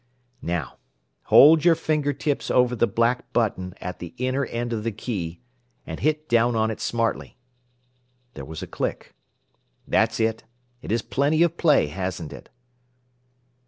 "Now, hold your finger tips over the black button at the inner end of the key, and hit down on it smartly." There was a click. "That's it. It has plenty of play, hasn't it?"